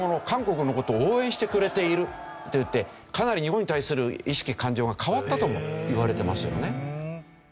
韓国の事応援してくれているっていってかなり日本に対する意識感情が変わったともいわれてますよね。